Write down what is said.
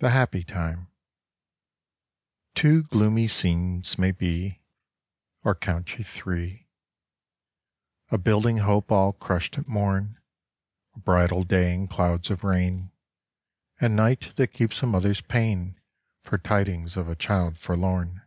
THE HAPPY TIME Two gloomy scenes may be, Or count you three: A building hope all crushed at morn, A bridal day in clouds of rain, And night that keeps a mother's pain For tidings of a child forlorn.